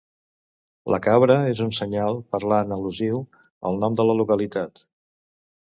La cabra és un senyal parlant al·lusiu al nom de la localitat.